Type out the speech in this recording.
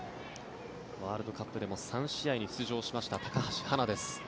ワールドカップでも３試合に出場しました高橋はなです。